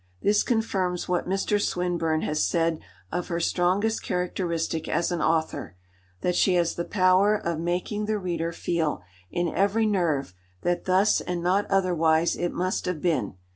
This confirms what Mr. Swinburne has said of her strongest characteristic as an author, that she has the power of making the reader feel in every nerve that thus and not otherwise it must have been.